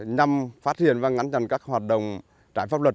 nhằm phát triển và ngắn chặn các hoạt động trái pháp luật